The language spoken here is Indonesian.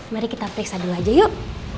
mari kita periksa dulu aja yuk